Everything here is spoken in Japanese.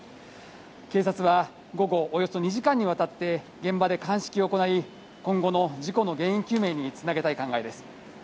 警察は午後およそ２時間にわたって現場で鑑識を行い今後の事故の原因究明につなげたい考えです。